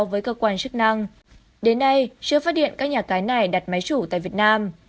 với cơ quan chức năng đến nay chưa phát điện các nhà cái này đặt máy chủ tại việt nam